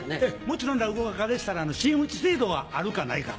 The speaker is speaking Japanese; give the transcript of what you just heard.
もちろん落語家でしたら真打ち制度があるかないか。